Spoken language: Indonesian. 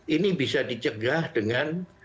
ini bisa dicegah dengan